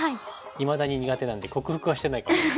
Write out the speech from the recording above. いまだに苦手なんで克服はしてないかも。